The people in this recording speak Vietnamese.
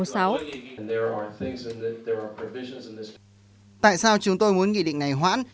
tại sao chúng tôi muốn nghị định này hoãn